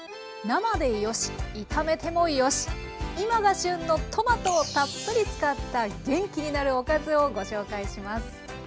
生でよし炒めてもよし今が旬のトマトをたっぷり使った元気になるおかずをご紹介します。